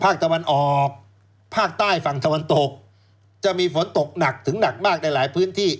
ตะวันออกภาคใต้ฝั่งตะวันตกจะมีฝนตกหนักถึงหนักมากในหลายพื้นที่